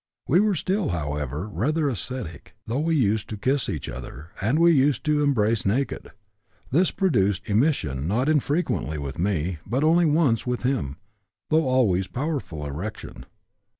We were still, however, rather ascetic, though we used to kiss each other, and we used to embrace naked. This produced emission not infrequently with me, but only once with him, though always powerful erection.